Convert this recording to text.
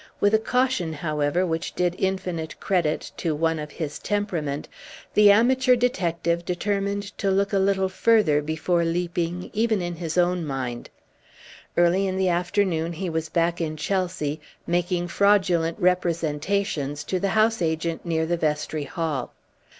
With a caution, however, which did infinite credit to one of his temperament, the amateur detective determined to look a little further before leaping even in his own mind. Early in the afternoon he was back in Chelsea, making fraudulent representations to the house agent near the Vestry Hall.